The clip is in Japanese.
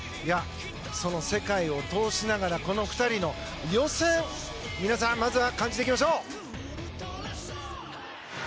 世界を通しながらこの２人の予選皆さんまずは感じていきましょう。